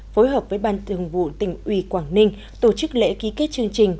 phối hợp với ban thường vụ tỉnh ủy quảng ninh tổ chức lễ ký kết chương trình